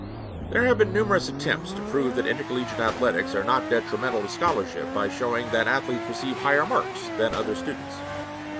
IV There have been numerous attempts to prove that intercollegiate athletics are not detrimental to scholarship by showing that athletes receive higher marks than other students.